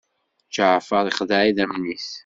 Ǧaɛfeṛ ixdeɛ idammen-is.